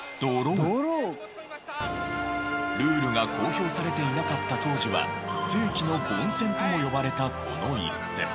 ルールが公表されていなかった当時は「世紀の凡戦」とも呼ばれたこの一戦。